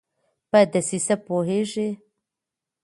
په دسیسه پوهیږي